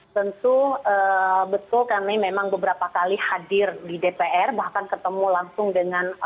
tentu betul kami memang beberapa kali hadir di dpr bahkan ketemu langsung dengan